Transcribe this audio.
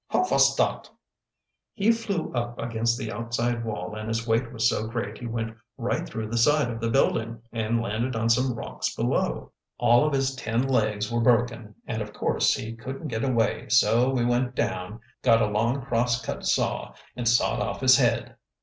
"How vos dot?" "He flew up against the outside wall, and his weight was so great he went right through the side of the building, and landed on some rocks below. All of his ten legs were broken, and of course he couldn't get away, so we went down, got a long cross cut saw, and sawed off his head.